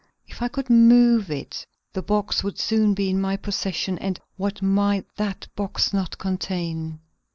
If I could move it the box would soon be in my possession and what might that box not contain!